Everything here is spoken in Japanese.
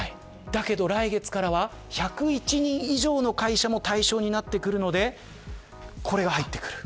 だけど、来月からは１０１人以上の会社も対象になるのでこれが入ってくる。